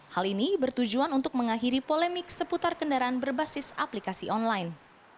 hal ini bertujuan untuk mengakhiri polemik seputar kendaraan berbasis aplikasi online